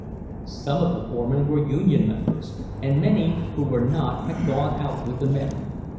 Some of the foremen were union members, and many who were not had gone out with the men.